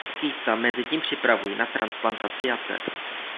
Keitha mezitím připravují na transplantaci jater.